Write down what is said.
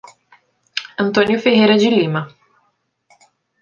Antônio Ferreira de Lima